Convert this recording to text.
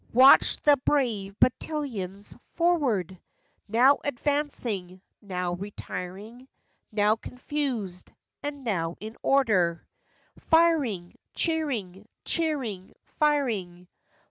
Watched the brave battalions u forward !"— Now advancing, now retiring; Now confused, and now in order— 5 » FACTS AND FANCIES. Firing, cheering, cheering, firing!